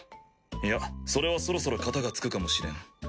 いやそれはそろそろカタがつくかもしれん。